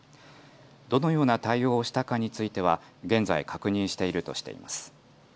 どのような対応をしたかについては現在確認しているとしています。